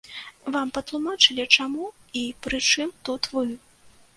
Вам патлумачылі, чаму, і прычым тут вы?